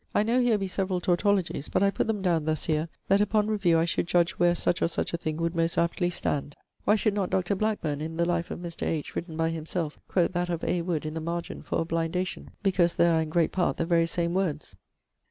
I know here be severall tautologies; but I putt them downe thus here, that upon reviewe I should judge where such or such a thing would most aptly stand. Why should not Dr. Blackbourne in the life of Mr. H. written by him selfe quote that of A. Wood in the margent for a blindation, because there are in great part the very same words?'